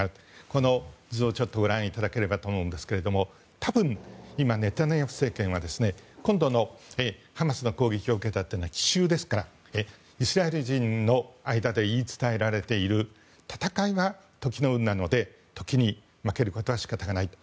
この図をご覧いただければと思うんですけれども多分、ネタニヤフ政権は今度ハマスの攻撃を受けたというのは奇襲ですからイスラエル人の間で言い伝えられている戦いは時の運なので時に負けることは仕方がないと。